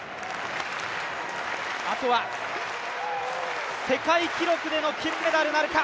あとは世界記録での金メダルなるか。